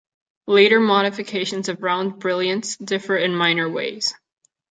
Later modifications of round brilliants differ in minor ways.